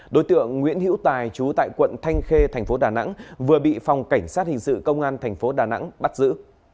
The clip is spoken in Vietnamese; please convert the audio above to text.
đối tượng nguyễn hiễu tài chú tại quận thanh khê thành phố đà nẵng vừa bị phòng cảnh sát hình sự công an thành phố đà nẵng bắt giữ